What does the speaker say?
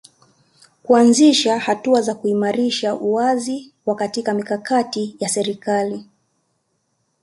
Kuanzisha hatua za kuimarisha uwazi wa katika mikakati ya serikali